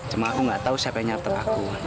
cuman aku gak tau siapa yang nyartek aku